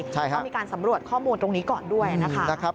ต้องมีการสำรวจข้อมูลตรงนี้ก่อนด้วยนะคะ